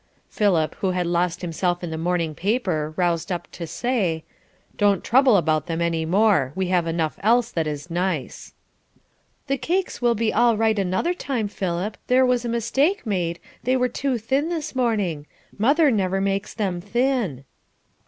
Philip, who had lost himself in the morning paper, roused up to say: "Don't trouble about them any more; we have enough else that is nice." "The cakes will be all right another time, Philip; there was a mistake made, they were too thin this morning; mother never makes them thin."